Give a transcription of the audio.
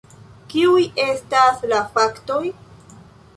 Kiuj estas la faktoj?